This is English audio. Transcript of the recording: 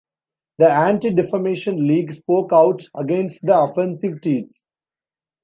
The Anti-Defamation League spoke out against the offensive tweets.